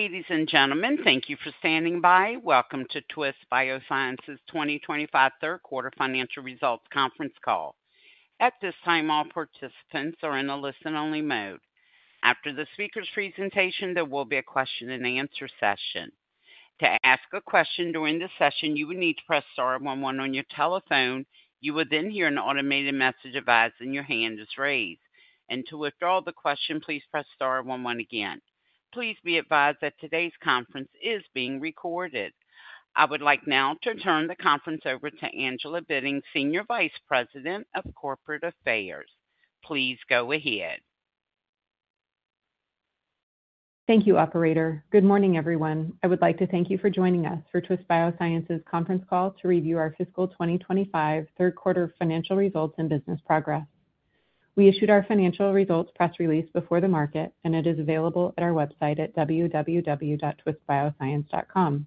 Ladies and gentlemen, thank you for standing by. Welcome to Twist Bioscience's 2025 Third Quarter Financial Results Conference Call. At this time, all participants are in a listen-only mode. After the speaker's presentation, there will be a question and answer session. To ask a question during the session, you would need to press star one one on your telephone. You would then hear an automated message advising your hand is raised. To withdraw the question, please press star one one again. Please be advised that today's conference is being recorded. I would like now to turn the conference over to Angela Bitting, Senior Vice President of Corporate Affairs. Please go ahead. Thank you, Operator. Good morning, everyone. I would like to thank you for joining us for Twist Bioscience's conference call to review our fiscal 2025 third quarter financial results and business progress. We issued our financial results press release before the market, and it is available at our website at www.twistbioscience.com.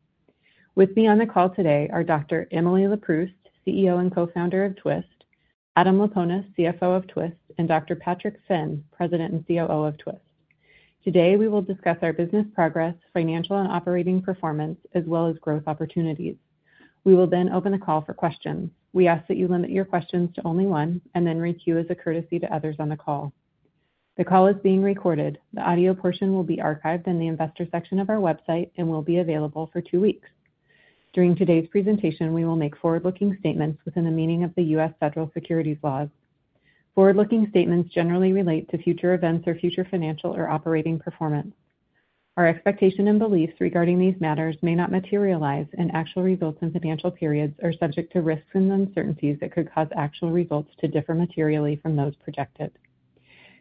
With me on the call today are Dr. Emily Leproust, CEO and Co-Founder of Twist, Adam Laponis, CFO of Twist, and Dr. Patrick Finn, President and COO of Twist. Today, we will discuss our business progress, financial and operating performance, as well as growth opportunities. We will then open the call for questions. We ask that you limit your questions to only one and then re-queue as a courtesy to others on the call. The call is being recorded. The audio portion will be archived in the investor section of our website and will be available for two weeks. During today's presentation, we will make forward-looking statements within the meaning of the U.S. Federal Securities Laws. Forward-looking statements generally relate to future events or future financial or operating performance. Our expectation and beliefs regarding these matters may not materialize, and actual results in financial periods are subject to risks and uncertainties that could cause actual results to differ materially from those projected.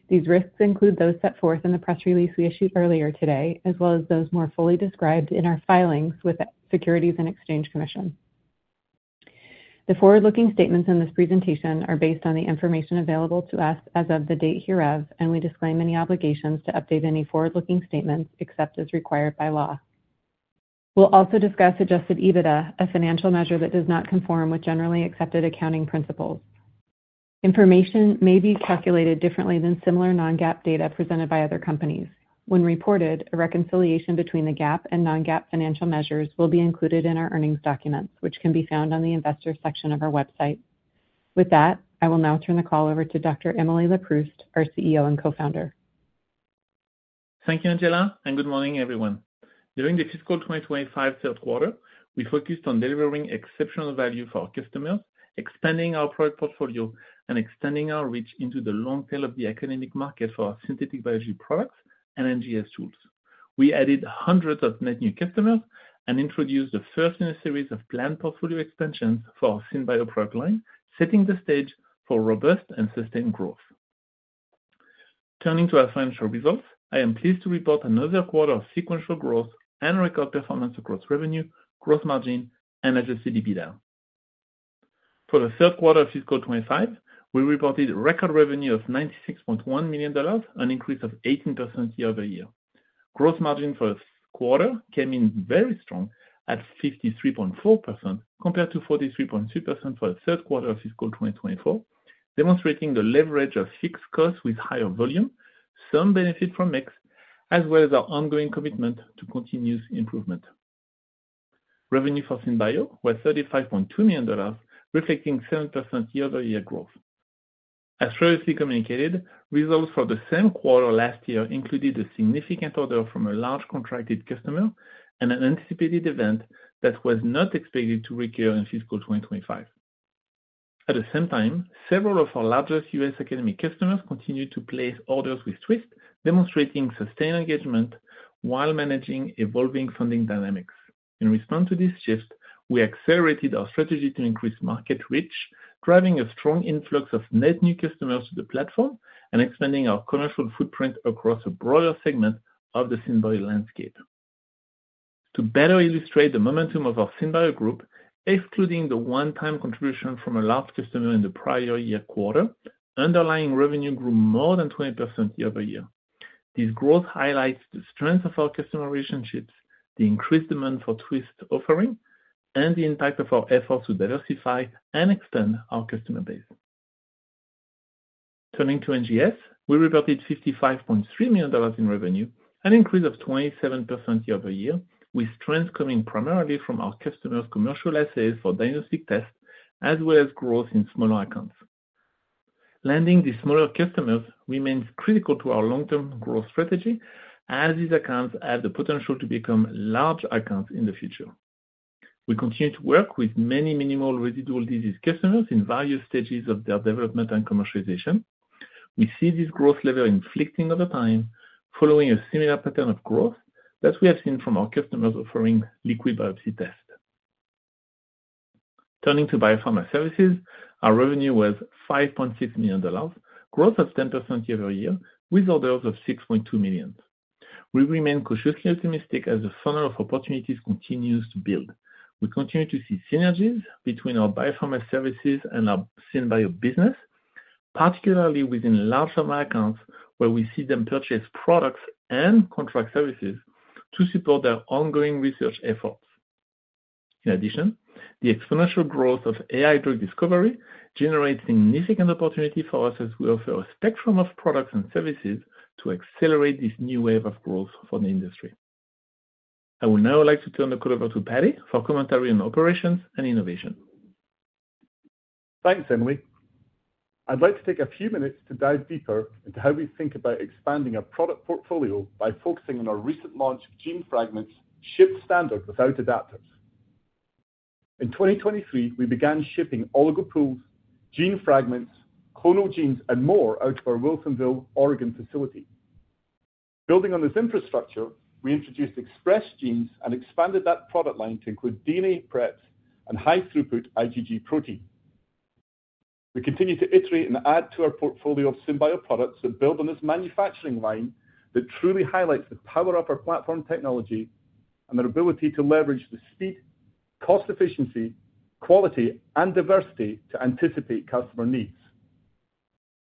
These risks include those set forth in the press release we issued earlier today, as well as those more fully described in our filings with the Securities and Exchange Commission. The forward-looking statements in this presentation are based on the information available to us as of the date hereof, and we disclaim any obligations to update any forward-looking statements except as required by law. We'll also discuss Adjusted EBITDA, a financial measure that does not conform with generally accepted accounting principles. Information may be calculated differently than similar non-GAAP data presented by other companies. When reported, a reconciliation between the GAAP and non-GAAP financial measures will be included in our earnings documents, which can be found on the investor section of our website. With that, I will now turn the call over to Dr. Emily Leproust, our CEO and Co-Founder. Thank you, Angela, and good morning, everyone. During the fiscal 2025 third quarter, we focused on delivering exceptional value for our customers, expanding our product portfolio, and extending our reach into the long tail of the academic market for our synthetic biology products and NGS tools. We added hundreds of net new customers and introduced the first in a series of planned portfolio expansions for our SynBio product line, setting the stage for robust and sustained growth. Turning to our financial results, I am pleased to report another quarter of sequential growth and record performance across revenue, gross margin, and Adjusted EBITDA. For the third quarter of fiscal 2025, we reported record revenue of $96.1 million, an increase of 18% year-over-year. Gross margin for the quarter came in very strong at 53.4% compared to 43.3% for the third quarter of fiscal 2024, demonstrating the leverage of fixed costs with higher volume, some benefit from mix, as well as our ongoing commitment to continuous improvement. Revenue for SynBio was $35.2 million, reflecting 7% year-over-year growth. As previously communicated, results for the same quarter last year included a significant order from a large contracted customer and an anticipated event that was not expected to recur in fiscal 2025. At the same time, several of our largest U.S. academic customers continue to place orders with Twist, demonstrating sustained engagement while managing evolving funding dynamics. In response to this shift, we accelerated our strategy to increase market reach, driving a strong influx of net new customers to the platform and expanding our commercial footprint across a broader segment of the SynBio landscape. To better illustrate the momentum of our SynBio group, excluding the one-time contribution from a large customer in the prior year quarter, underlying revenue grew more than 20% year-over-year. This growth highlights the strength of our customer relationships, the increased demand for Twist's offering, and the impact of our efforts to diversify and extend our customer base. Turning to NGS, we reported $55.3 million in revenue, an increase of 27% year-over-year, with strength coming primarily from our customers' commercial assays for diagnostic tests, as well as growth in smaller accounts. Landing these smaller customers remains critical to our long-term growth strategy, as these accounts have the potential to become large accounts in the future. We continue to work with many minimal residual disease customers in various stages of their development and commercialization. We see this growth level inflecting over time, following a similar pattern of growth that we have seen from our customers offering liquid biopsy tests. Turning to biopharma services, our revenue was $5.6 million, growth of 10% year-over-year, with orders of $6.2 million. We remain cautiously optimistic as the funnel of opportunities continues to build. We continue to see synergies between our biopharma services and our SynBio business, particularly within large pharma accounts where we see them purchase products and contract services to support their ongoing research efforts. In addition, the exponential growth of AI-driven drug discovery generates significant opportunity for us as we offer a spectrum of products and services to accelerate this new wave of growth for the industry. I would now like to turn the call over to Patrick for commentary on operations and innovation. Thanks, Emily. I'd like to take a few minutes to dive deeper into how we think about expanding our product portfolio by focusing on our recent launch gene fragments shipped standard without adapters. In 2023, we began shipping oligos, gene fragments, clonal genes, and more out of our Wilsonville, Oregon facility. Building on this infrastructure, we introduced express genes and expanded that product line to include DNA preps and high-throughput IgG proteins. We continue to iterate and add to our portfolio of SynBio products and build on this manufacturing line that truly highlights the power of our platform technology and their ability to leverage the speed, cost efficiency, quality, and diversity to anticipate customer needs.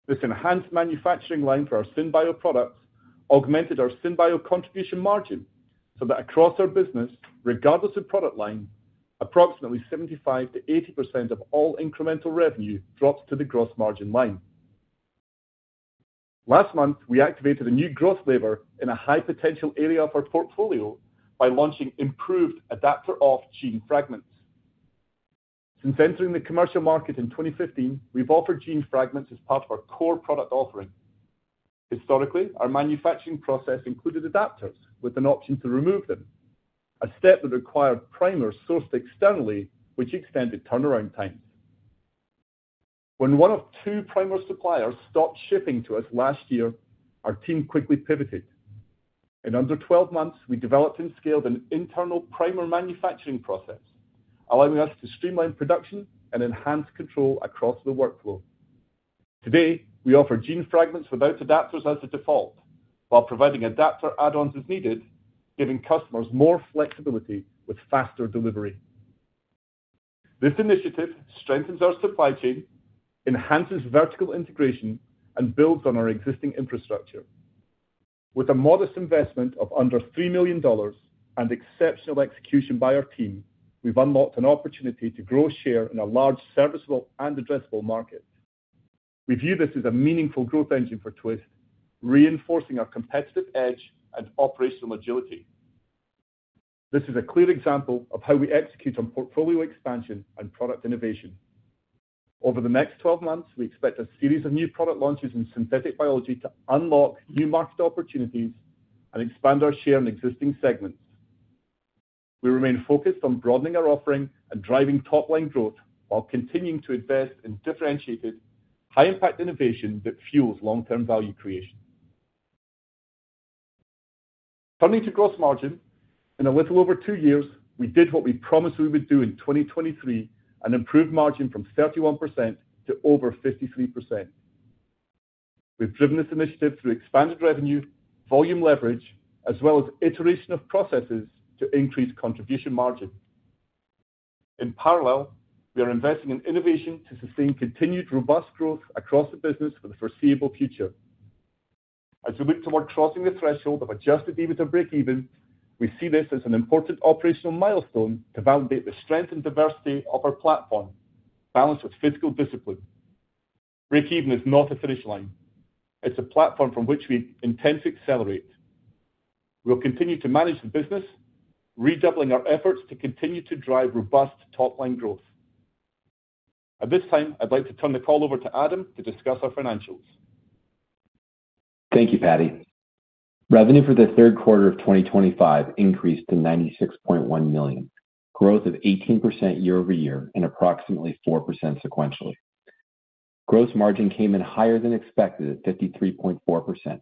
This enhanced manufacturing line for our SynBio products augmented our SynBio contribution margin so that across our business, regardless of product line, approximately 75% to 80% of all incremental revenue drops to the gross margin line. Last month, we activated a new growth lever in a high-potential area of our portfolio by launching improved adapter-off gene fragments. Since entering the commercial market in 2015, we've offered gene fragments as part of our core product offering. Historically, our manufacturing process included adapters with an option to remove them, a step that required primers sourced externally, which extended turnaround time. When one of two primer suppliers stopped shipping to us last year, our team quickly pivoted. In under 12 months, we developed and scaled an internal primer manufacturing process, allowing us to streamline production and enhance control across the workflow. Today, we offer gene fragments without adapters as a default, while providing adapter add-ons as needed, giving customers more flexibility with faster delivery. This initiative strengthens our supply chain, enhances vertical integration, and builds on our existing infrastructure. With a modest investment of under $3 million and exceptional execution by our team, we've unlocked an opportunity to grow share in a large serviceable and addressable market. We view this as a meaningful growth engine for Twist, reinforcing our competitive edge and operational agility. This is a clear example of how we execute on portfolio expansion and product innovation. Over the next 12 months, we expect a series of new product launches in synthetic biology to unlock new market opportunities and expand our share in existing segments. We remain focused on broadening our offering and driving top-line growth while continuing to invest in differentiated, high-impact innovation that fuels long-term value creation. Turning to gross margin, in a little over two years, we did what we promised we would do in 2023 and improved margin from 31% to over 53%. We've driven this initiative through expanded revenue, volume leverage, as well as iteration of processes to increase contribution margin. In parallel, we are investing in innovation to sustain continued robust growth across the business for the foreseeable future. As we look toward crossing the threshold of Adjusted EBITDA break-even, we see this as an important operational milestone to validate the strength and diversity of our platform, balanced with fiscal discipline. Break-even is not a finish line. It's a platform from which we intend to accelerate. We'll continue to manage the business, redoubling our efforts to continue to drive robust top-line growth. At this time, I'd like to turn the call over to Adam to discuss our financials. Thank you, Patrick. Revenue for the third quarter of 2025 increased to $96.1 million, growth of 18% year-over-year and approximately 4% sequentially. Gross margin came in higher than expected at 53.4%,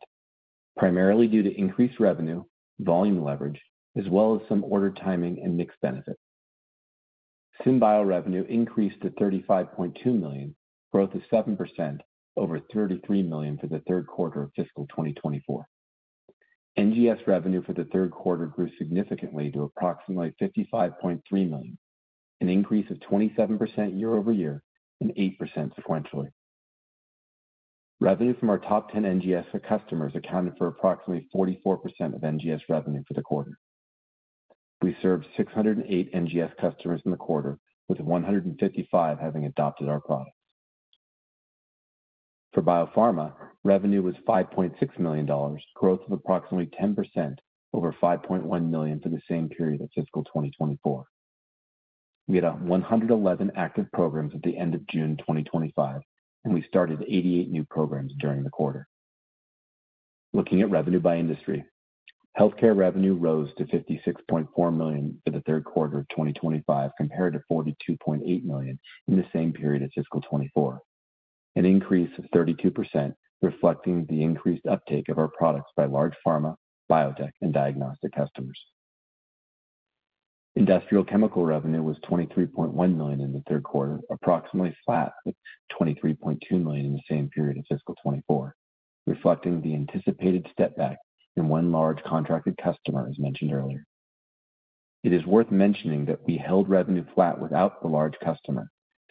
primarily due to increased revenue, volume leverage, as well as some order timing and mix benefit. SynBio revenue increased to $35.2 million, growth of 7%, over $33 million for the third quarter of fiscal 2024. NGS revenue for the third quarter grew significantly to approximately $55.3 million, an increase of 27% year-over-year and 8% sequentially. Revenue from our top 10 NGS customers accounted for approximately 44% of NGS revenue for the quarter. We served 608 NGS customers in the quarter, with 155 having adopted our product. For biopharma, revenue was $5.6 million, growth of approximately 10%, over $5.1 million for the same period of fiscal 2024. We had 111 active programs at the end of June 2025, and we started 88 new programs during the quarter. Looking at revenue by industry, healthcare revenue rose to $56.4 million for the third quarter of 2025, compared to $42.8 million in the same period of fiscal 2024, an increase of 32%, reflecting the increased uptake of our products by large pharma, biotech, and diagnostic customers. Industrial chemical revenue was $23.1 million in the third quarter, approximately flat at $23.2 million in the same period of fiscal 2024, reflecting the anticipated step back in one large contracted customer, as mentioned earlier. It is worth mentioning that we held revenue flat without the large customer,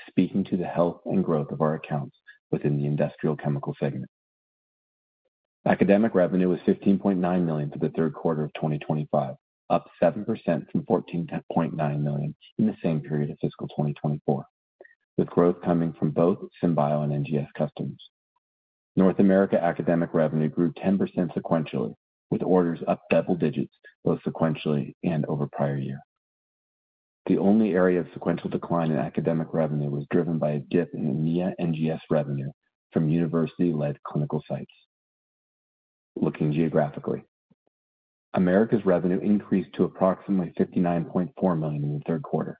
speaking to the health and growth of our accounts within the industrial chemical segment. Academic revenue was $15.9 million for the third quarter of 2025, up 7% from $14.9 million in the same period of fiscal 2024, with growth coming from both SynBio and NGS customers. North America academic revenue grew 10% sequentially, with orders up double digits, both sequentially and over prior years. The only area of sequential decline in academic revenue was driven by a dip in EMEA NGS revenue from university-led clinical sites. Looking geographically, America's revenue increased to approximately $59.4 million in the third quarter,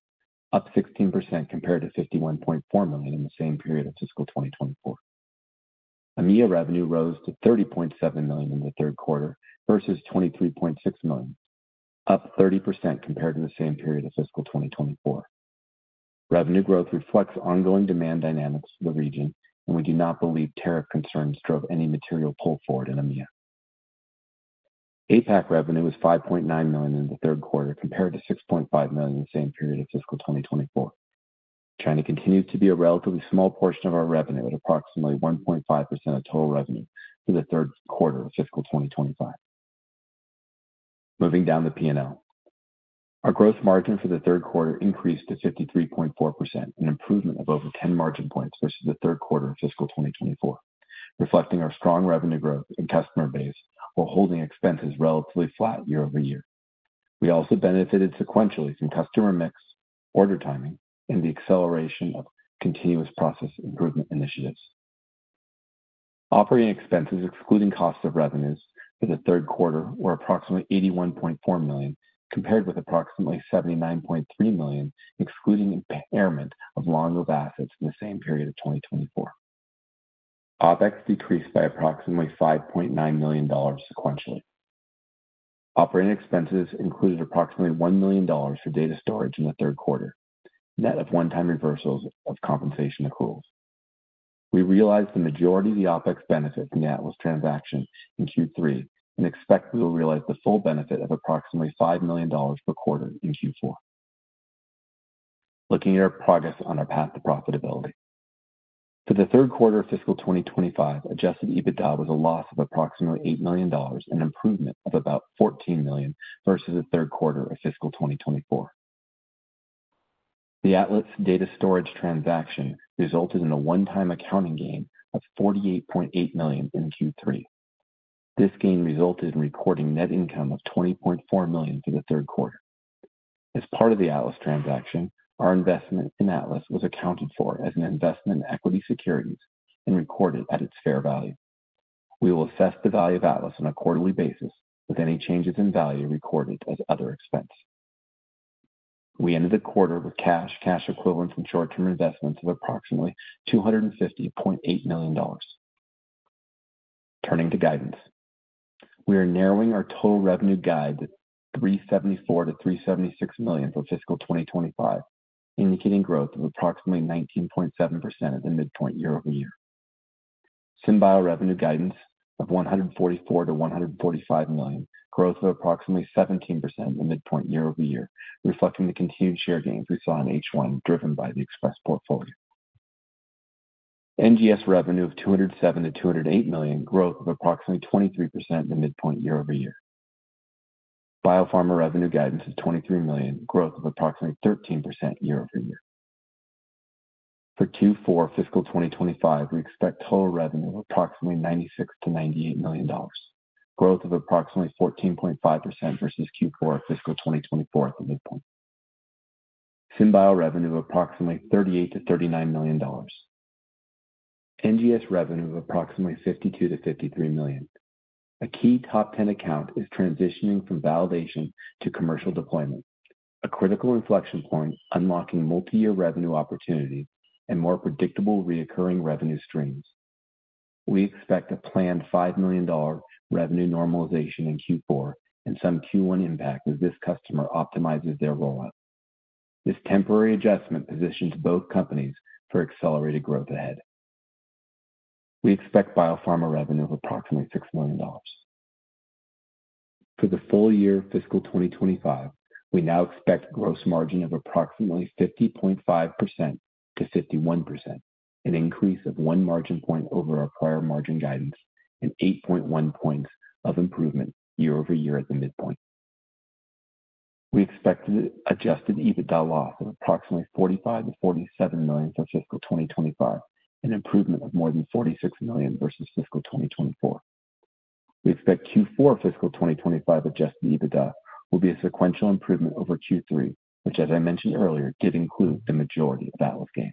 up 16% compared to $51.4 million in the same period of fiscal 2024. EMEA revenue rose to $30.7 million in the third quarter versus $23.6 million, up 30% compared to the same period of fiscal 2024. Revenue growth reflects ongoing demand dynamics in the region, and we do not believe tariff concerns drove any material pull forward in EMEA. APAC revenue was $5.9 million in the third quarter compared to $6.5 million in the same period of fiscal 2024. China continues to be a relatively small portion of our revenue at approximately 1.5% of total revenue for the third quarter of fiscal 2025. Moving down to P&L, our gross margin for the third quarter increased to 53.4%, an improvement of over 10 margin points versus the third quarter of fiscal 2024, reflecting our strong revenue growth and customer base while holding expenses relatively flat year-over-year. We also benefited sequentially from customer mix, order timing, and the acceleration of continuous process improvement initiatives. Operating expenses, excluding costs of revenues for the third quarter, were approximately $81.4 million compared with approximately $79.3 million, excluding impairment of long-lived assets in the same period of 2024. OpEx decreased by approximately $5.9 million sequentially. Operating expenses included approximately $1 million for data storage in the third quarter, net of one-time reversals of compensation accruals. We realized the majority of the OpEx benefit net with this transaction in Q3 and expect we will realize the full benefit of approximately $5 million per quarter in Q4. Looking at our progress on our path to profitability, for the third quarter of fiscal 2025, Adjusted EBITDA was a loss of approximately $8 million, an improvement of about $14 million versus the third quarter of fiscal 2024. The Atlas Data Storage transaction resulted in a one-time accounting gain of $48.8 million in Q3 This gain resulted in reporting net income of $20.4 million for the third quarter. As part of the Atlas transaction, our investment in Atlas was accounted for as an investment in equity securities and recorded at its fair value. We will assess the value of Atlas on a quarterly basis with any changes in value recorded as other expense. We ended the quarter with cash, cash equivalents and short-term investments of approximately $250.8 million. Turning to guidance, we are narrowing our total revenue guide to $374 million-$376 million for fiscal 2025, indicating growth of approximately 19.7% at the midpoint year-over-year. SynBio revenue guidance of $144 million-$145 million, growth of approximately 17% at the midpoint year-over-year, reflecting the continued share gains we saw in H1, driven by the Express Portfolio. NGS revenue of $207 million-$208 million, growth of approximately 23% at the midpoint year-over-year. Biopharma revenue guidance is $23 million, growth of approximately 13% year-over-year. For Q4 fiscal 2025, we expect total revenue of approximately $96 million-$98 million, growth of approximately 14.5% versus Q4 fiscal 2024 at the midpoint. SynBio revenue of approximately $38 million-$39 million. NGS revenue of approximately $52 million-$53 million. A key top 10 account is transitioning from validation to commercial deployment, a critical inflection point unlocking multi-year revenue opportunities and more predictable recurring revenue streams. We expect a planned $5 million revenue normalization in Q4 and some Q1 impact as this customer optimizes their rollout. This temporary adjustment positions both companies for accelerated growth ahead. We expect biopharma revenue of approximately $6 million. For the full year fiscal 2025, we now expect a gross margin of approximately 50.5% to 51%, an increase of one margin point over our prior margin guidance and 8.1 points of improvement year-over-year at the midpoint. We expect an Adjusted EBITDA loss of approximately $45 million-$47 million for fiscal 2025, an improvement of more than $46 million versus fiscal 2024. We expect Q4 fiscal 2025 Adjusted EBITDA will be a sequential improvement over Q3, which, as I mentioned earlier, did include the majority of the Atlas gain.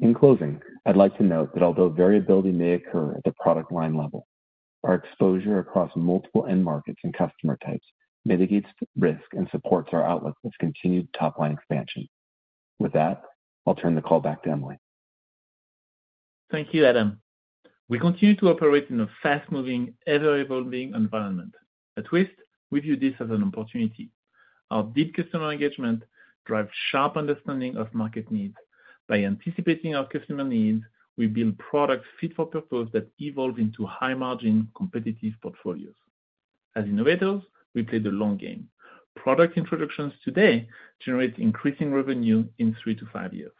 In closing, I'd like to note that although variability may occur at the product line level, our exposure across multiple end markets and customer types mitigates risk and supports our outlook with continued top-line expansion. With that, I'll turn the call back to Emily. Thank you, Adam. We continue to operate in a fast-moving, ever-evolving environment. At Twist, we view this as an opportunity. Our deep customer engagement drives sharp understanding of market needs. By anticipating our customer needs, we build products fit for purpose that evolve into high-margin, competitive portfolios. As innovators, we play the long game. Product introductions today generate increasing revenue in three to five years.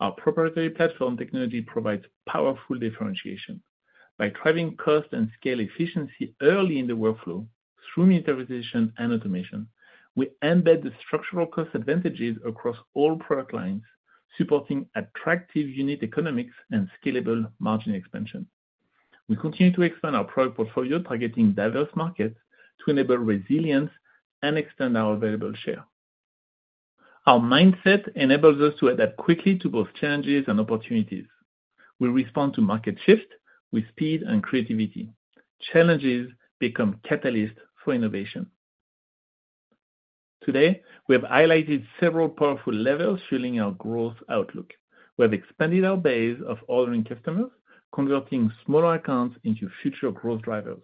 Our proprietary platform technology provides powerful differentiation. By driving cost and scale efficiency early in the workflow through media harvestation and automation, we embed the structural cost advantages across all product lines, supporting attractive unit economics and scalable margin expansion. We continue to expand our product portfolio, targeting diverse markets to enable resilience and expand our available share. Our mindset enables us to adapt quickly to both challenges and opportunities. We respond to market shifts with speed and creativity. Challenges become catalysts for innovation. Today, we have highlighted several powerful levers fueling our growth outlook. We have expanded our base of ordering customers, converting smaller accounts into future growth drivers.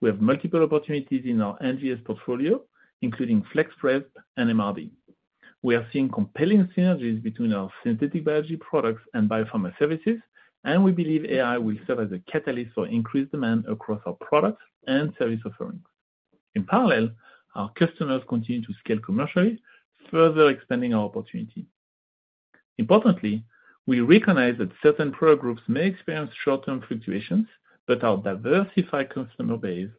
We have multiple opportunities in our NGS portfolio, including Express Portfolio and minimal residual disease (MRD). We are seeing compelling synergies between our synthetic biology products and biopharma services, and we believe AI will serve as a catalyst for increased demand across our products and service offerings. In parallel, our customers continue to scale commercially, further expanding our opportunity. Importantly, we recognize that certain product groups may experience short-term fluctuations, but our diversified customer base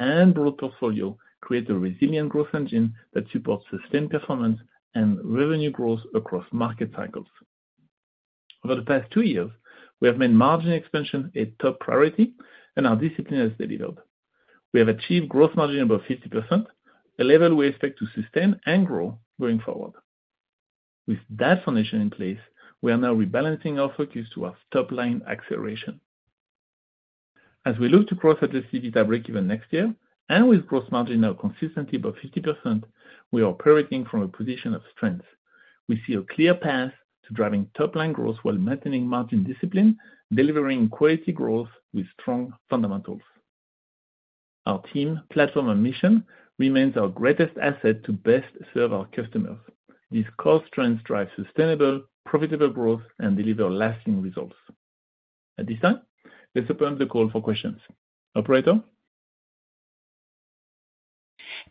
and broad portfolio create a resilient growth engine that supports sustained performance and revenue growth across market cycles. Over the past two years, we have made margin expansion a top priority, and our discipline has delivered. We have achieved gross margin above 50%, a level we expect to sustain and grow going forward. With that foundation in place, we are now rebalancing our focus to our top-line acceleration. As we look to cross Adjusted EBITDA break-even next year, and with gross margin now consistently above 50%, we are operating from a position of strength. We see a clear path to driving top-line growth while maintaining margin discipline, delivering quality growth with strong fundamentals. Our team, platform, and mission remain our greatest asset to best serve our customers. These core strengths drive sustainable, profitable growth and deliver lasting results. At this time, let's open the call for questions. Operator?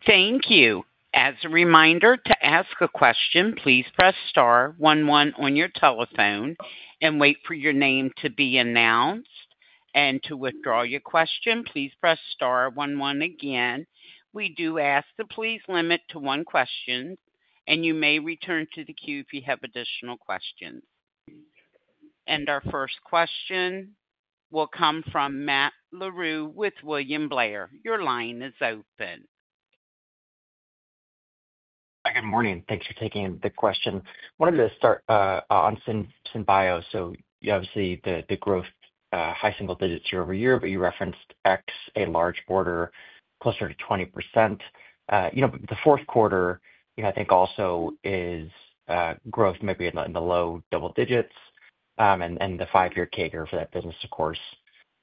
Thank you. As a reminder, to ask a question, please press star one one on your telephone and wait for your name to be announced. To withdraw your question, please press star one one again. We do ask to please limit to one question, and you may return to the queue if you have additional questions. Our first question will come from Matt Larew with William Blair. Your line is open. Good morning. Thanks for taking the question. I wanted to start on SynBio. You obviously see the growth high single digits year-over-year, but you referenced, X, a large order closer to 20%. The fourth quarter, I think also is growth maybe in the low double digits. The five-year CAGR for that business, of course,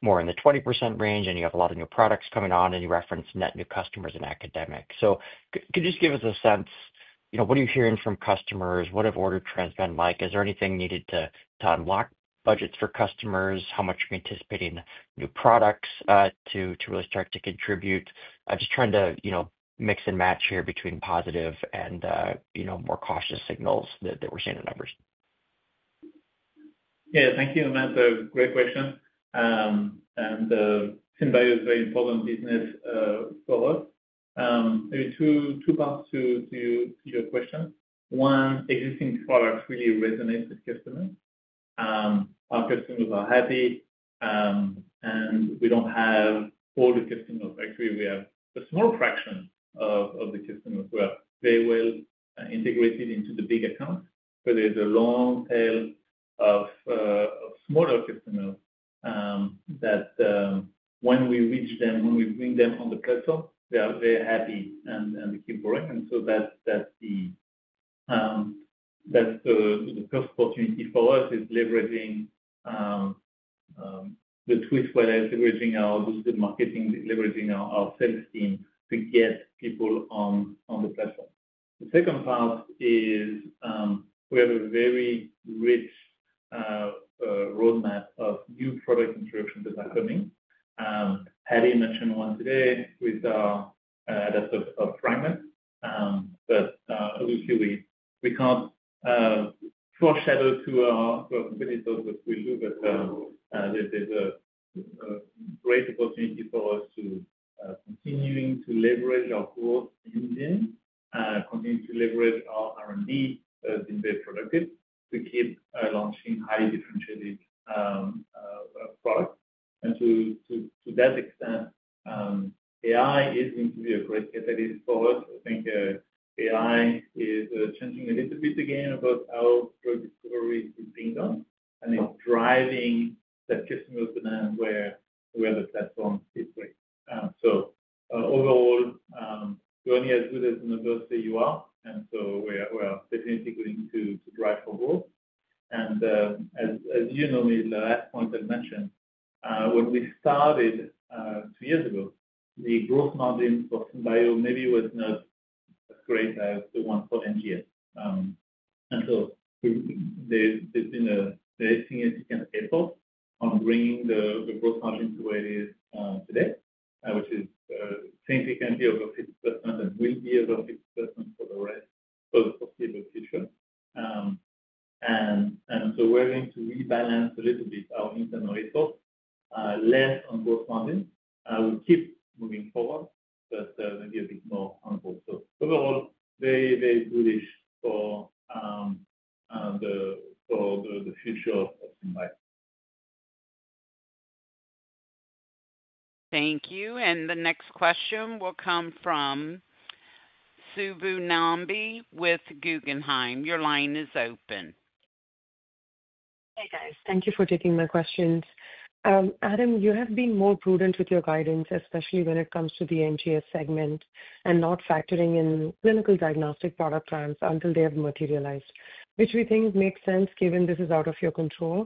more in the 20% range. You have a lot of new products coming on, and you referenced net new customers in academics. Could you just give us a sense, what are you hearing from customers? What have order trends been like? Is there anything needed to unlock budgets for customers? How much are we anticipating new products to really start to contribute? I'm just trying to mix and match here between positive and more cautious signals that we're seeing in numbers. Yeah, thank you, Matt. Great question. SynBio is a very important business for us. There are two parts to your question. One, existing products really resonate with customers. Our customers are happy, and we don't have all the customers. Actually, we have a small fraction of the customers where they will integrate into the big accounts. There's a long tail of smaller customers that when we reach them, when we bring them on the platform, they're happy and they keep growing. That's the first opportunity for us, leveraging the Twist, whether it's leveraging our digital marketing or leveraging our sales team to get people on the platform. The second part is we have a very rich roadmap of new product contributions that are coming. Patrick mentioned one today with our adapter-off gene fragments. Obviously, we can't foreshadow to our business what we'll do, but there's a great opportunity for us to continue to leverage our core engine, continue to leverage our R&D that's been best producted to keep launching highly differentiated products. To that extent, AI is going to be a great catalyst for us. I think AI is changing a little bit again about how drug discovery is being done, and it's driving that customer demand where the platform is great. Overall, we're only as good as an adversary you are. We are definitely going to drive forward. As you know, the last point I mentioned, when we started two years ago, the gross margin for SynBio maybe was not as great as the one for NGS. There's been a significant effort on bringing the gross margin to where it is today, which is significantly over 50% and will be over 50% for the rest of the foreseeable future. We're going to rebalance a little bit our internal resources, less on gross margin. We'll keep moving forward, but maybe a bit more on growth. Overall, very, very bullish for the future of SynBio. Thank you. The next question will come from Subbu Nambi with Guggenheim Securities. Your line is open. Hey, guys. Thank you for taking my questions. Adam, you have been more prudent with your guidance, especially when it comes to the NGS segment and not factoring in clinical diagnostic product plans until they have materialized, which we think makes sense given this is out of your control.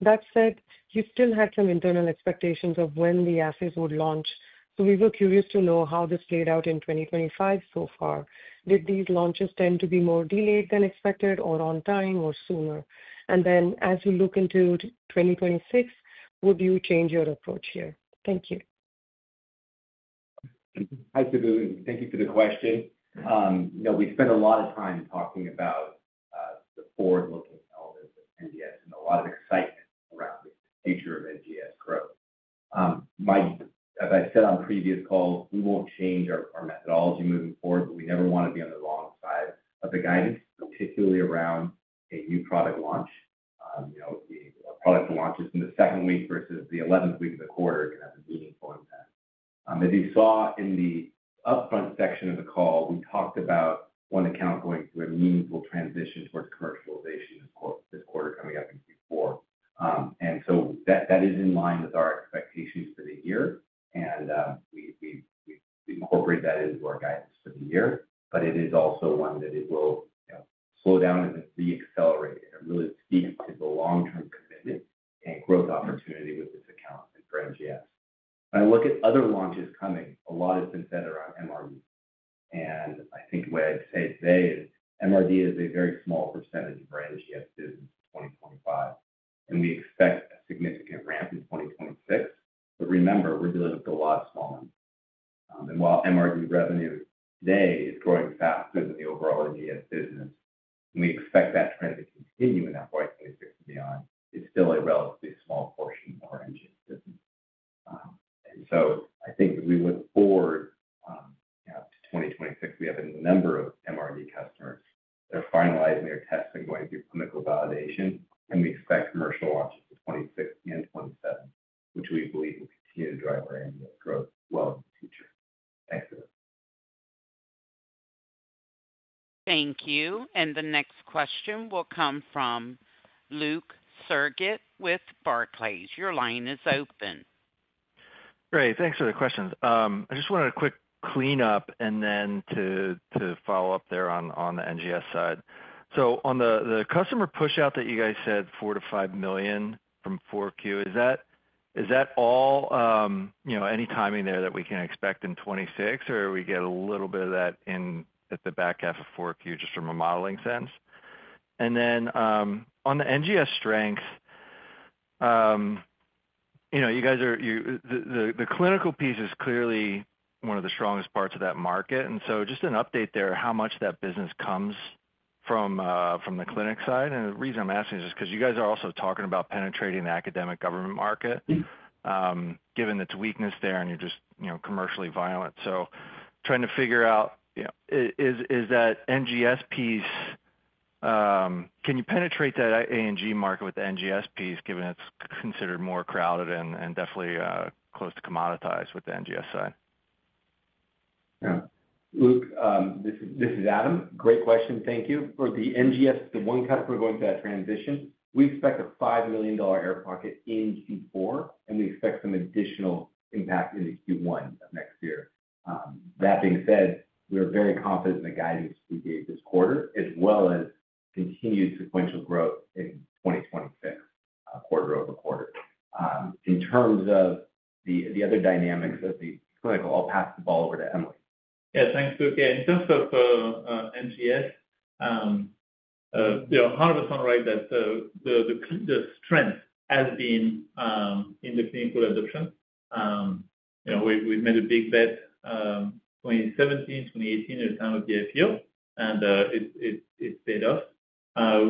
That said, you still had some internal expectations of when the asset would launch. We were curious to know how this played out in 2025 so far. Did these launches tend to be more delayed than expected, on time, or sooner? As you look into 2026, would you change your approach here? Thank you. Hi, Subbu. Thank you for the question. We spent a lot of time talking about the forward-looking elements of NGS and a lot of excitement around the future of NGS growth. As I said on previous calls, we won't change our methodology moving forward, but we never want to be on the wrong side of the guidance, particularly around a new product launch. A product launch is in the second week versus the 11th week of the quarter. It could have a booming point. As you saw in the upfront section of the call, we talked about one account going through a meaningful transition towards commercialization this quarter coming up in Q4. That is in line with our expectations for the year, and we incorporate that into our guidance for the year. It is also one that will slow down and reaccelerate and really speed up the long-term commitment and growth opportunity with this account and for NGS. When I look at other launches coming, a lot has been centered around MRD. What I'd say today is MRD is a very small percentage of our NGS business in 2025, and we expect a significant ramp in 2026. Remember, we're dealing with a lot of small entities, and while MRD revenue today is growing faster than the overall NGS business, we expect that trend to continue in that market and beyond. It's still a relatively small portion of our NGS business. As we look forward to 2026, we have a number of MRD customers that are finalizing their tests and going through clinical validation, and we expect commercial launches in 2026 and 2027, which we believe will continue to drive our NGS growth as well. Thank you. The next question will come from Luke Sergott with Barclays. Your line is open. Great. Thanks for the questions. I just wanted a quick cleanup and then to follow up there on the NGS side. On the customer push-out that you guys said, $4 million-$5 million from 4Q, is that all, you know, any timing there that we can expect in 2026, or do we get a little bit of that in at the back half of 4Q just from a modeling sense? On the NGS strength, you know, you guys are, the clinical piece is clearly one of the strongest parts of that market. Just an update there, how much that business comes from the clinic side. The reason I'm asking is just because you guys are also talking about penetrating the academic government market, given its weakness there, and you're just, you know, commercially violent. Trying to figure out, you know, is that NGS piece, can you penetrate that A&G Market with the NGS piece, given it's considered more crowded and definitely close to commoditized with the NGS side? Yeah. Luke, this is Adam. Great question. Thank you. For the NGS, the one cut if we're going through that transition, we expect a $5 million air pocket in Q4, and we expect some additional impact in Q1 next year. That being said, we're very confident in the guidance we gave this quarter, as well as continued sequential growth in 2025, quarter over quarter. In terms of the other dynamics of the clinical, I'll pass the ball over to Emily. Yeah, thanks, Luke. In terms of NGS, Harvard's on the right that the strength has been in the clinical adoption. We've made a big bet in 2017, 2018, at the time of the IPO, and it paid off.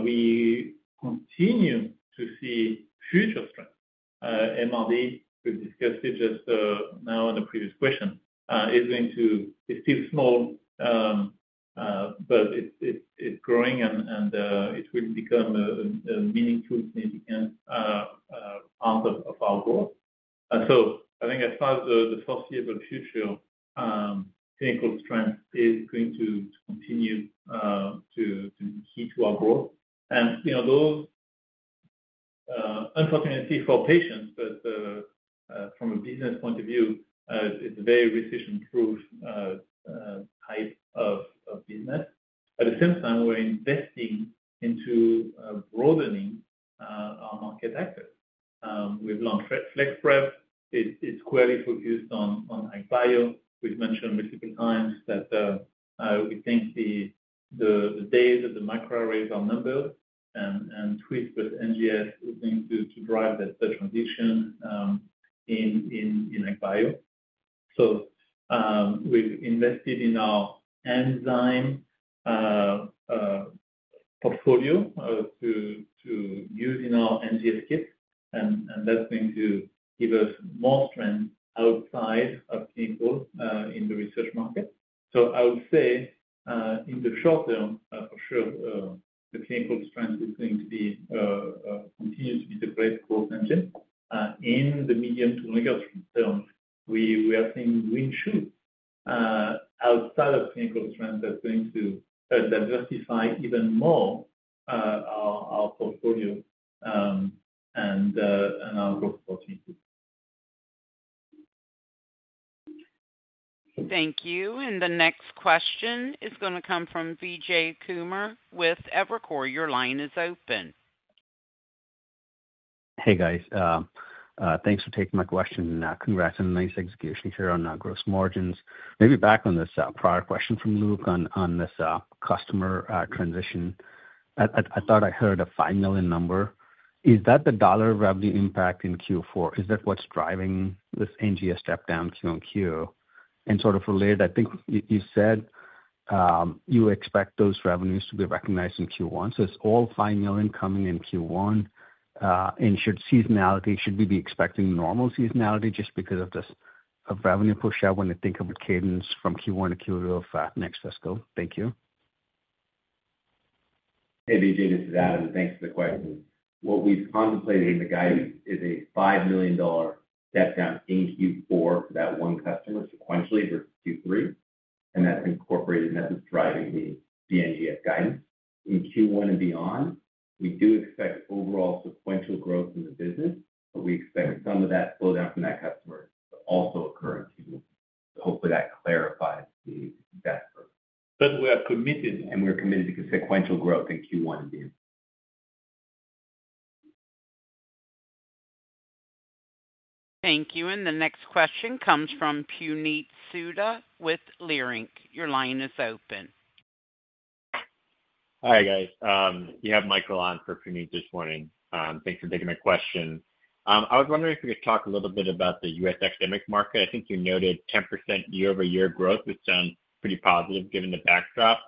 We continue to see future strength. MRD, we've discussed it just now on the previous question, is going to be still small, but it's growing, and it's really become a meaningful, significant part of our growth. I think as far as the foreseeable future, clinical strength is going to continue to keep our growth. Though unfortunately for patients, from a business point of view, it's a very recession-proof type of business. At the same time, we're investing into broadening our market access. We've launched FlexExpress. It's squarely focused on AgBio. We've mentioned multiple times that I think the days of the microarrays are numbered, and Twist with NGS is going to drive that transition in AgBio. We've invested in our enzyme portfolio to use in our NGS kits, and that's going to give us more strength outside Thank you. The next question is going to come from Vijay Kumar with Evercore. Your line is open. Hey, guys. Thanks for taking my question, and congrats on a nice execution here on gross margins. Maybe back on this prior question from Luke on this customer transition. I thought I heard a $5 million number. Is that the dollar revenue impact in Q4? Is that what's driving this NGS step down 2Q? Sort of related, I think you said you expect those revenues to be recognized in Q1. Is all $5 million coming in Q1? Should seasonality, should we be expecting normal seasonality just because of this revenue push-out when they think of a cadence from Q1 to Q2 of next fiscal? Thank you. Hey, Vijay. This is Adam. Thanks for the question. What we've contemplated in the guidance is a $5 million step down in Q4 for that one customer sequentially to Q3, and that's incorporated in that driving the NGS guidance. In Q1 and beyond, we do expect overall sequential growth in the business. We expect some of that slowdown from that customer to also occur in Q3. Hopefully, that clarifies the exact growth. We are committed, and we are committed to sequential growth in Q1 and beyond. Thank you. The next question comes from Puneet Souda with Leerink. Your line is open. Hi, guys. You have Michael on for Puneet this morning. Thanks for taking my question. I was wondering if we could talk a little bit about the U.S. academic market. I think you noted 10% year-over-year growth, which sounds pretty positive given the backdrop.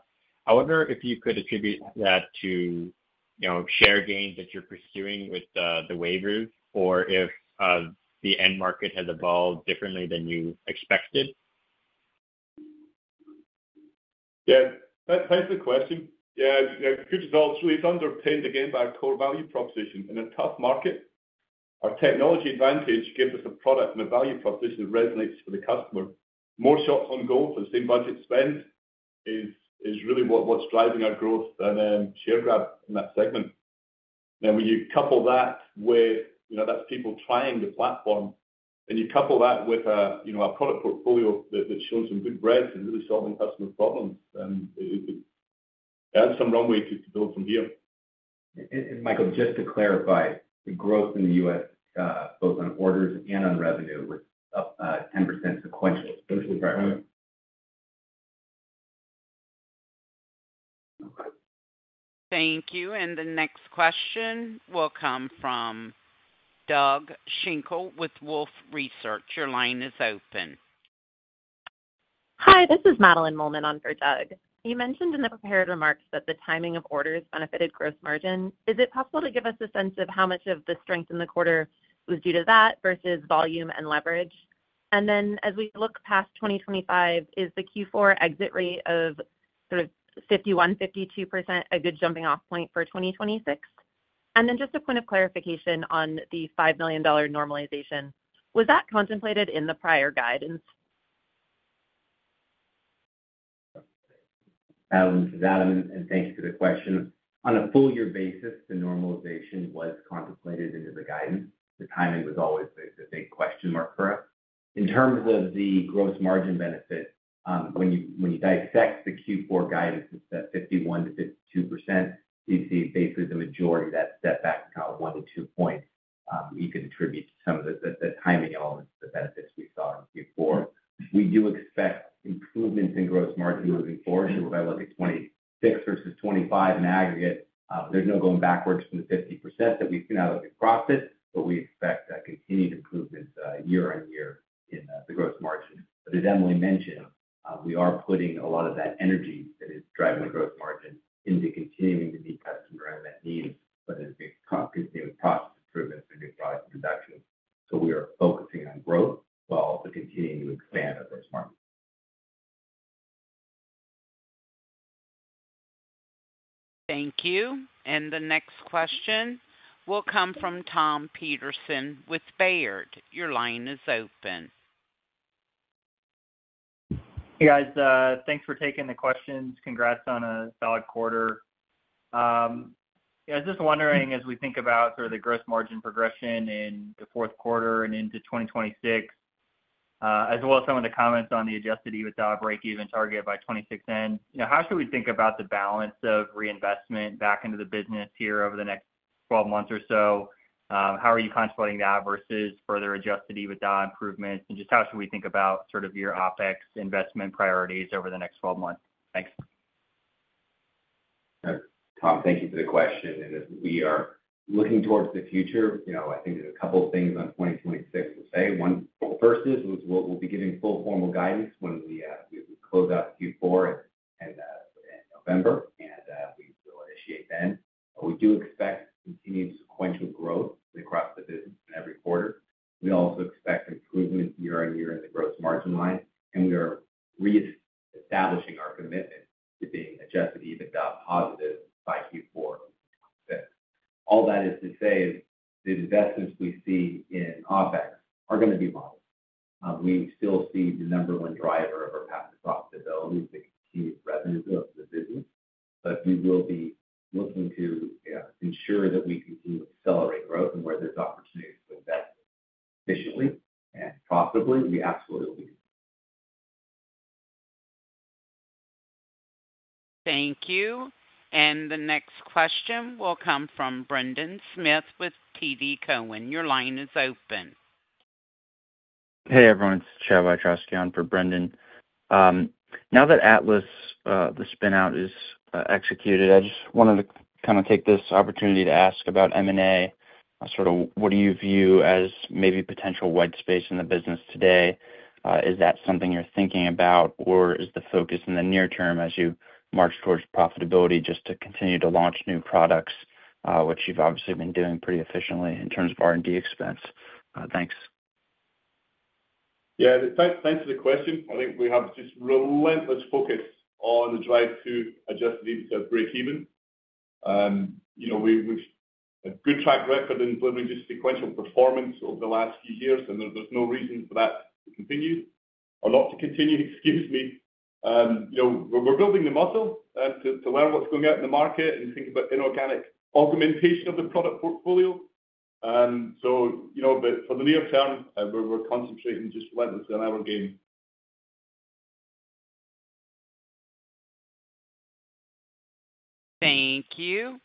However, if you could attribute that to share gains that you're pursuing with the waivers or if the end market has evolved differently than you expected. Thanks for the question. The industry is underpinned again by a core value proposition in a tough market. Our technology advantage gives us a product and a value proposition that resonates with the customer. More short-term growth and same budget spend is really what's driving our growth, and share grab in that segment. When you couple that with people trying the platform, and you couple that with a product portfolio that shows some good growth and really solving customer problems, it adds some runway to build from here. Michael, just to clarify, the growth in the U.S., both on orders and on revenue, was up 10% sequentially. Thank you for that. Thank you. The next question will come from Doug Schenkel with Wolfe Research. Your line is open. Hi. This is Madeline Mollman on for Doug. You mentioned in the prepared remarks that the timing of orders benefited gross margin. Is it possible to give us a sense of how much of the strength in the quarter was due to that versus volume and leverage? As we look past 2025, is the Q4 exit rate of sort of 51%-52% a good jumping-off point for 2026? Just a point of clarification on the $5 million normalization. Was that contemplated in the prior guidance? This is Adam, and thank you for the question. On a full-year basis, the normalization was contemplated in the guidance. The timing was always a big question mark for us. In terms of the gross margin benefit, when you dissect the Q4 guidance at 51% to 52%, you see basically the majority of that step back, probably one to two points. You could attribute to some of the timing elements of the benefits we saw in Q4. We do expect improvements in gross margin moving forward. If I look at 2026 versus 2025 in aggregate, there's no going backwards from the 50% that we've seen out of the profit, but we expect that continued improvement year-on-year in the gross margin. As Emily mentioned, we are putting a lot of that energy that is driving the gross margin into continuing to meet customer environment needs, whether it's new continuous product improvements or new product introductions. We are focusing on growth while continuing to expand our gross margin. Thank you. The next question will come from Tom Peterson with Baird. Your line is open. Hey, guys. Thanks for taking the questions. Congrats on a solid quarter. I was just wondering, as we think about sort of the gross margin progression in the fourth quarter and into 2026, as well as some of the comments on the Adjusted EBITDA break-even target by 2026 end, how should we think about the balance of reinvestment back into the business here over the next 12 months or so? How are you contemplating that versus further Adjusted EBITDA improvements? Just how should we think about sort of your OpEx investment priorities over the next 12 months? Thanks. Tom, thank you for the question. We are looking towards the future. I think there's a couple of things on 2026 to say. One first is we'll be giving full formal guidance once we close out Q4 in November, and we will initiate then. We do expect continued sequential growth across the business in every quarter. We also expect improvements year-on-year in the gross margin line, and we are reestablishing our commitment to being Adjusted EBITDA positive by Q4. All that is to say the investments we see in OpEx are going to be positive. We still see the number one driver of our path to profitability to continue to be revenue growth in the business, but we will be looking to ensure that we continue to accelerate growth and where there's opportunities to invest efficiently and profitably. We absolutely will be doing that. Thank you. The next question will come from Brendan Smith with Barclays. Your line is open. Hey, everyone. It's Chad Wiatrowski on for Brendan. Now that Atlas, the spin-out, is executed, I just wanted to take this opportunity to ask about M&A. What do you view as maybe potential white space in the business today? Is that something you're thinking about, or is the focus in the near term as you march towards profitability just to continue to launch new products, which you've obviously been doing pretty efficiently in terms of R&D expense? Thanks. Yeah, thanks for the question. I think we have just relentless focus on the drive to Adjusted EBITDA break-even. We have a good track record in delivering just sequential performance over the last few years, and there's no reason for that not to continue, excuse me. We're building the muscle to learn what's going out in the market and think about inorganic augmentation of the product portfolio. For the near term, we're concentrating just relentlessly on our game. Thank you.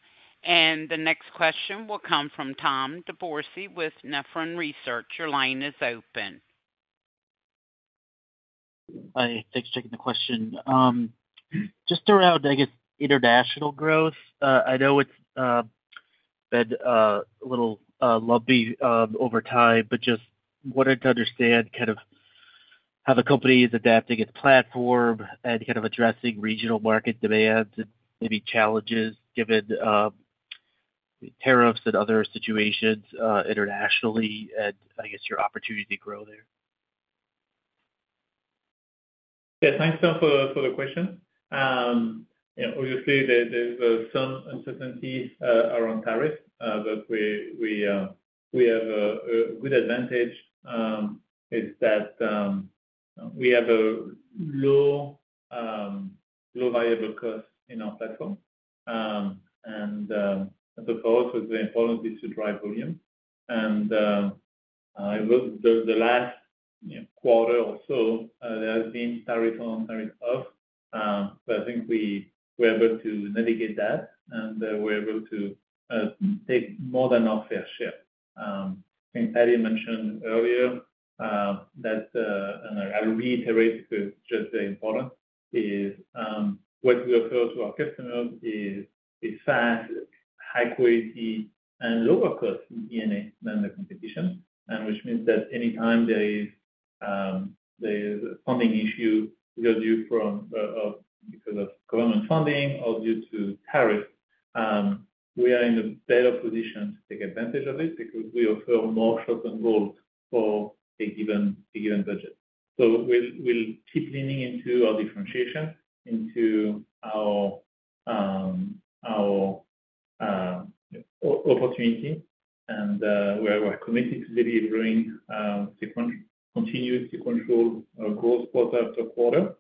The next question will come from Tom DeBourcy with Nephron Research. Your line is open. Hi. Thanks for taking the question. Just around, I guess, international growth, I know it's been a little lumpy over time, but just wanted to understand kind of how the company is adapting its platform and kind of addressing regional market demands and maybe challenges given tariffs and other situations internationally, and I guess your opportunity to grow there. Yeah, thanks, Tom, for the question. Obviously, there's some uncertainty around tariffs, but we have a good advantage, which is that we have a low variable cost in our platform. I propose for all of this to drive volume. I looked at the last quarter or so; there has been tariff on, tariff off, but I think we were able to navigate that, and we're able to take more than our fair share. Patrick mentioned earlier, and I'll reiterate because it's just very important, what we offer to our customers is fast, high-quality, and lower cost in EMEA than the competition, which means that anytime there is a funding issue either due from government funding or due to tariffs, we are in a better position to take advantage of it because we offer more short-term goals for a given budget. We'll keep leaning into our differentiation, into our opportunity, and we're committed to delivering continuous sequential growth quarter after quarter.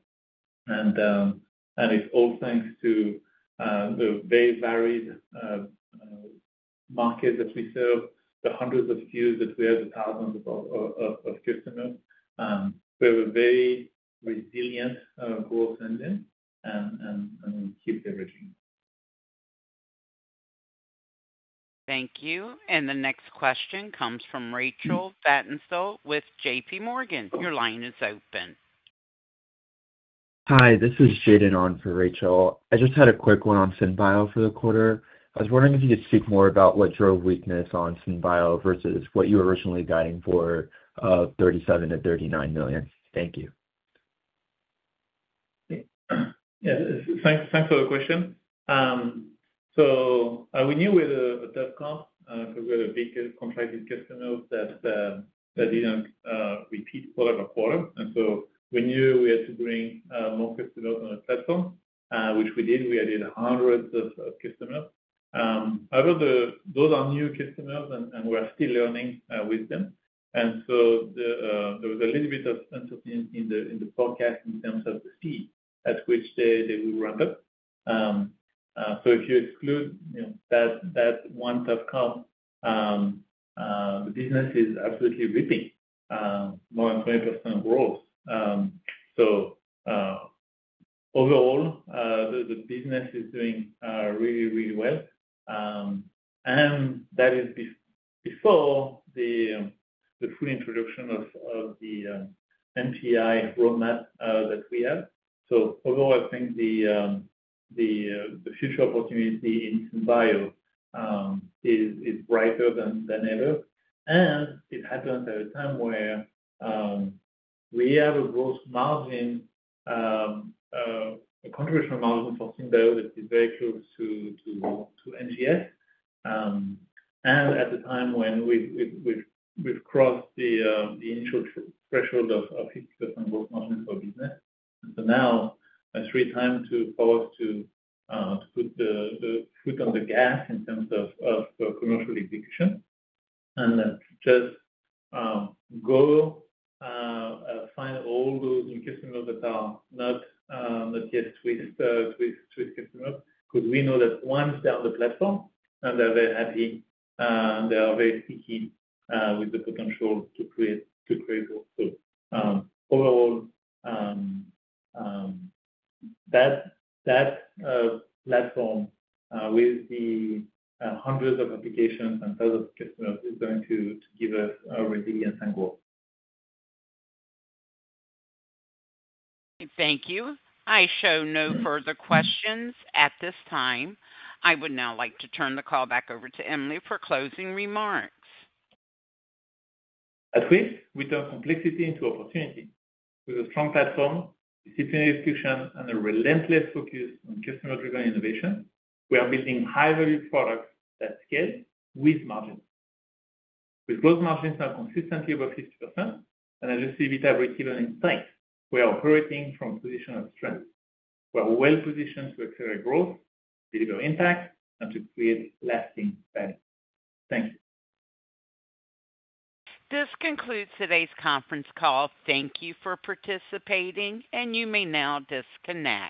It's all thanks to the very varied markets that we serve, the hundreds of SKUs that we have with thousands of customers. We have a very resilient growth engine, and we keep leveraging. Thank you. The next question comes from Rachel Vatnsdal with JP Morgan. Your line is open. Hi. This is Jaden on for Rachel. I just had a quick one on SynBio for the quarter. I was wondering if you could speak more about what drove weakness on SynBio versus what you were originally guiding for $37 million-$39 million. Thank you. Yeah, thanks for the question. We knew with the customer, because we had a big complexity of customers that didn't repeat quarter by quarter, we had to bring more customers on the platform, which we did. We added hundreds of customers. However, those are new customers, and we're still learning with them. There was a little bit of uncertainty in the forecast in terms of the speed at which they will run this. If you exclude that one platform, the business is absolutely ripping, more than 20% growth. Overall, the business is doing really, really well. That is before the full introduction of the NPI roadmap that we have. Overall, I think the future opportunity in SynBio is brighter than ever. It happens at a time where we have a gross margin, a contribution margin for SynBio that is very close to NGS, and at the time when we've crossed the initial threshold of 50% gross margin for business. Now it's really time for us to put the foot on the gas in terms of commercial execution. Let's just go find all those new customers that are not yet Twist customers because we know that once they're on the platform and they're very happy, they are very sticky with the potential to create good results. Overall, that platform with the hundreds of applications and thousands of customers is going to give us resilience and growth. Thank you. I show no further questions at this time. I would now like to turn the call back over to Dr. Emily Leproust for closing remarks. At Twist, we turn complexity into opportunity. With a strong platform, disciplined execution, and a relentless focus on customer-driven innovation, we are building high-value products that scale with margins. With gross margins that are consistently above 60% and Adjusted EBITDA break-even in sight, we are operating from a position of strength. We're well positioned to accelerate growth, deliver impact, and to create lasting value. Thank you. This concludes today's conference call. Thank you for participating, and you may now disconnect.